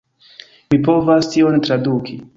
Mi povas tion traduki